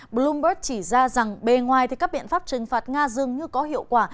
bloomberg chỉ ra rằng bề ngoài các biện pháp trừng phạt nga dường như có hiệu quả